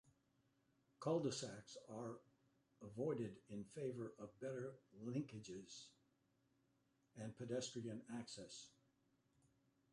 Cul-de-sacs were avoided in favour of better linkages and pedestrian access.